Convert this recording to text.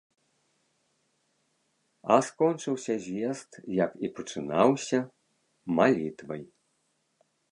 А скончыўся з'езд, як і пачынаўся, малітвай.